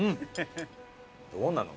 どうなの？